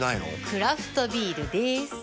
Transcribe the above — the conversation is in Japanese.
クラフトビールでーす。